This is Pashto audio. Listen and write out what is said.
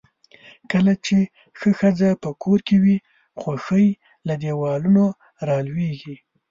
کله چې ښه ښځۀ پۀ کور کې وي، خؤښي له دیوالونو را لؤیږي.